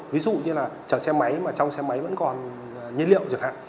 ví dụ như là chở xe máy mà trong xe máy vẫn còn nhiên liệu chẳng hạn